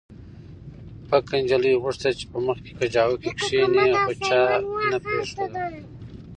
پکه نجلۍ غوښتل چې په مخکې کجاوو کې کښېني خو چا نه پرېښوده